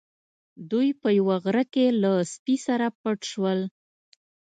دوی په یوه غار کې له سپي سره پټ شول.